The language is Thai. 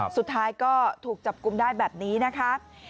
สุดท้ายก็ถูกจับกลุ่มได้แบบนี้นะคะ